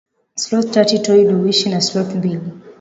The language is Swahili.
Sloth tatu toed huishi na sloth mbili